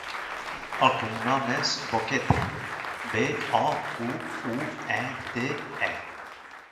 El cognom és Boquete: be, o, cu, u, e, te, e.